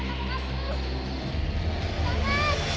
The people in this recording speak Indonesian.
jangan makan aku